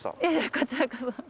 こちらこそ。